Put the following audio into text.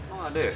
emang ada ya